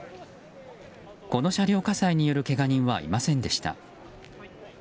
この車両火災によるけが人はいませんでした。